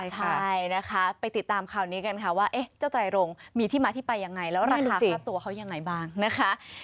ใช่นะคะไปติดตามข่าวนี้กันค่ะว่าเจ้าไตรรงมีที่มาที่ไปยังไงแล้วราคาค่าตัวเขายังไงบ้างนะคะ